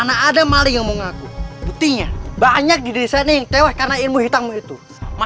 sampai jumpa di video selanjutnya